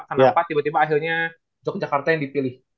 kenapa tiba tiba akhirnya yogyakarta yang dipilih